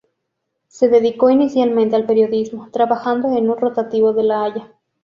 Se dedicó inicialmente al periodismo, trabajando en un rotativo de La Haya.